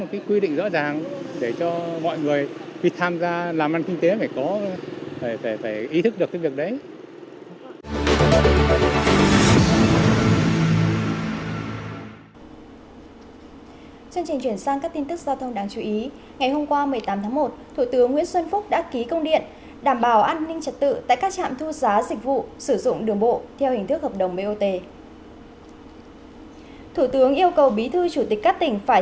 khi thức được thì được đấy